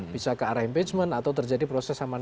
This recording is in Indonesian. bisa ke arah impeachment atau terjadi proses aman